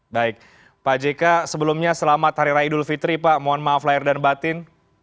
baik pak jk sebelumnya selamat hari raya idul fitri pak mohon maaf lahir dan batin